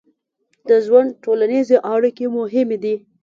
د ژوند ټولنیزې اړیکې مهمې دي.